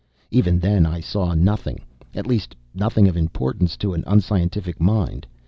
Even then I saw nothing. At least, nothing of importance to an unscientific mind.